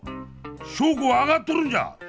証拠は上がっとるんじゃ。